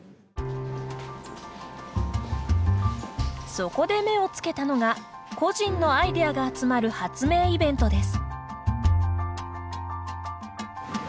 そこで目をつけたのが個人のアイデアが集まる発明イベントです。